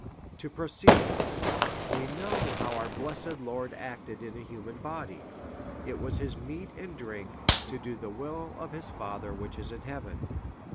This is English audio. To proceed : We know how our blessed Lord acted in a human body ; it was his meat and drink to do the will of his Father which is in heaven.